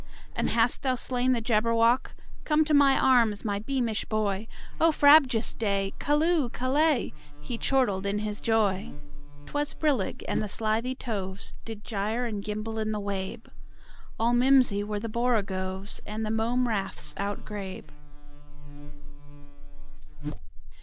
"And hast thou slain the Jabberwock? Come to my arms, my beamish boy! O frabjous day! Callooh! Callay!" He chortled in his joy. 'Twas brillig, and the slithy toves Did gyre and gimble in the wabe: All mimsy were the borogoves, And the mome raths outgrabe.